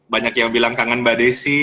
banyak yang bilang kangen mbak desi